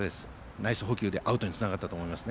ナイス捕球でアウトにつながったと思います。